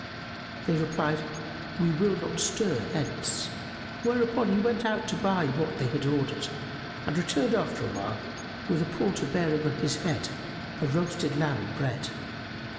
They replied, "We will not stir hence." Whereupon he went out to buy what they had ordered and returned after awhile, with a porter bearing on his head a roasted lamb and bread.